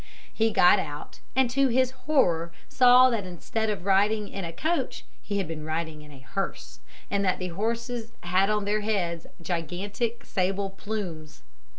He got out, and to his horror saw that instead of riding in a coach he had been riding in a hearse, and that the horses had on their heads gigantic sable plumes.